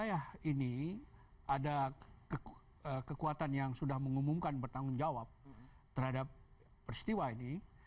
wilayah ini ada kekuatan yang sudah mengumumkan bertanggung jawab terhadap peristiwa ini